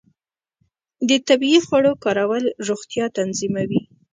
د طبیعي خوړو کارول روغتیا تضمینوي.